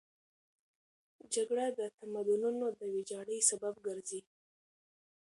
جګړه د تمدنونو د ویجاړۍ سبب ګرځي.